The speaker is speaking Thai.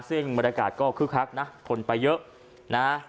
ซึ่งบรรยากาศก็คึกคักนะคนไปเยอะนะ